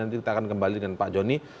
nanti kita akan kembali dengan pak joni